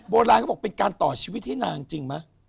โบราณเขาบอกเป็นการต่อชีวิตให้นางจริงไหม